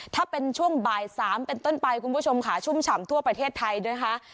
ถ้าเป็นช่วงบ่าย๓เป็นต้นไปคุณผู้ชมค่ะชุ่มฉ่ำทั่วประเทศไทยนะคะ